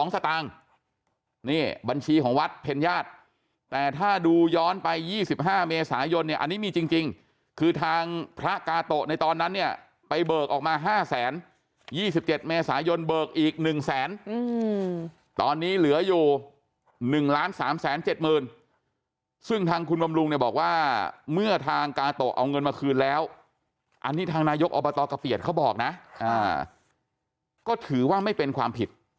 สตางค์นี่บัญชีของวัดเพ็ญญาติแต่ถ้าดูย้อนไป๒๕เมษายนเนี่ยอันนี้มีจริงคือทางพระกาโตะในตอนนั้นเนี่ยไปเบิกออกมา๕แสน๒๗เมษายนเบิกอีก๑แสนตอนนี้เหลืออยู่๑๓๗๐๐ซึ่งทางคุณบำรุงเนี่ยบอกว่าเมื่อทางกาโตะเอาเงินมาคืนแล้วอันนี้ทางนายกอบตกะเฟียดเขาบอกนะก็ถือว่าไม่เป็นความผิด